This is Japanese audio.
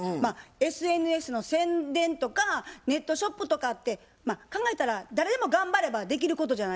ＳＮＳの宣伝とかネットショップとかってまあ考えたら誰でも頑張ればできることじゃないですか。